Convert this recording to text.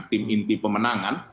tim inti pemenangan